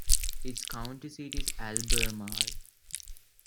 Its county seat is Albemarle.